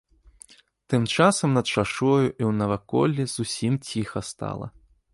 Тым часам над шашою і ў наваколлі зусім ціха стала.